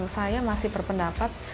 saya masih berpendapat